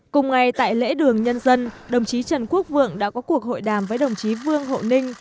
cùng ngày tại lễ đường nhân dân đồng chí trần quốc vượng đã có cuộc hội đàm với đồng chí vương hộ ninh